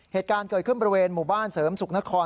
เหตุการณ์เกิดขึ้นบริเวณหมู่บ้านเสริมสุขนคร